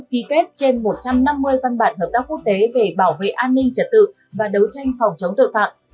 ký kết trên một trăm năm mươi văn bản hợp tác quốc tế về bảo vệ an ninh trật tự và đấu tranh phòng chống tội phạm